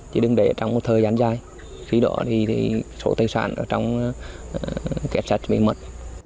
chỉ đừng để trong một thời gian dài khi đó thì số tài sản trong kết sắt bị mất